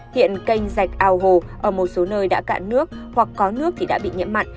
hiện canh dạch ao hồ ở một số nơi đã cạn nước hoặc có nước thì đã bị nhiễm mặn